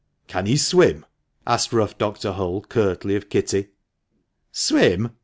" Can he swim ?" asked rough Dr. Hull curtly of Kitty. " Swim ?